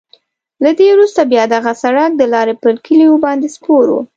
له دې وروسته بیا دغه سړک د لارې پر کلیو باندې سپور وو.